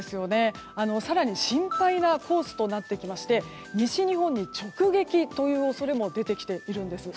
更に心配なコースとなってきまして西日本に直撃という恐れも出てきているんです。